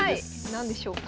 何でしょうか。